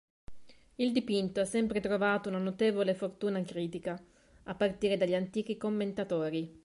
Il dipinto ha sempre trovato una notevole fortuna critica, a partire dagli antichi commentatori.